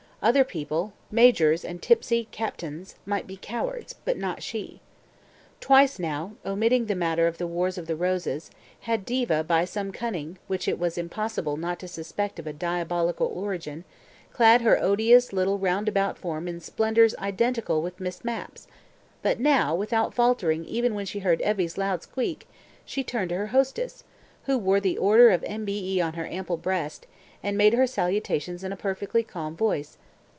Other people, Majors and tipsy Captains, might be cowards, but not she. Twice now (omitting the matter of the Wars of the Roses) had Diva by some cunning, which it was impossible not to suspect of a diabolical origin, clad her odious little roundabout form in splendours identical with Miss Mapp's, but now, without faltering even when she heard Evie's loud squeak, she turned to her hostess, who wore the Order of M.B.E. on her ample breast, and made her salutations in a perfectly calm voice.